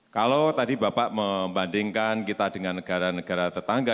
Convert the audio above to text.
kalau tadi bapak membandingkan kita dengan negara negara tetangga